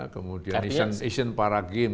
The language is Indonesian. kemudian asian para game